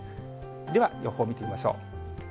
では、予報を見てみましょう。